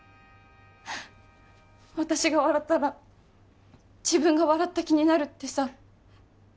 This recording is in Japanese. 私が笑ったら自分が笑った気になるってさ